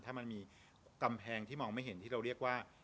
ถ้ามันมีกำแพงที่มองไม่เห็นที่เราเรียกว่า